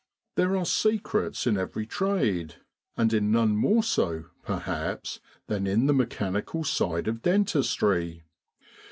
There are secrets in every trade, and in none more so perhaps than in the mechanical side of dentistry.